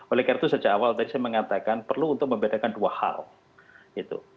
oleh karena itu sejak awal tadi saya mengatakan perlu untuk membedakan dua hal gitu